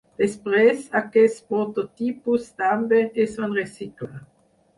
Després, aquests prototipus també es van reciclar.